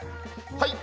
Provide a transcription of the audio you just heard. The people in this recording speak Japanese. はい。